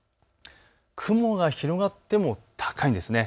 雲が広がっても高いんです。